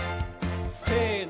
せの。